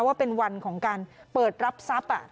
ว่าเป็นวันของการเปิดรับทรัพย์